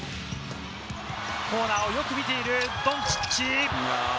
コーナーをよく見ている、ドンチッチ。